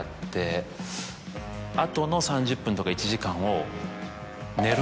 あとの３０分とか１時間を。